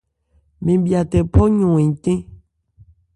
Mɛn bhya tɛ phɔ̂ yɔn ncɛ́n.